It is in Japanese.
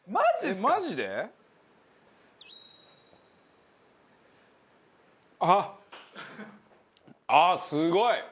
ああ、すごい！